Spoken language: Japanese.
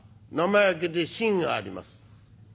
「生焼けで芯があります」。